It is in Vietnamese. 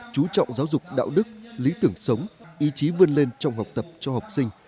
chú trọng giáo dục đạo đức lý tưởng sống ý chí vươn lên trong học tập cho học sinh